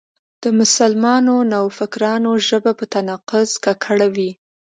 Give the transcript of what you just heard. د مسلمانو نوفکرانو ژبه په تناقض ککړه وي.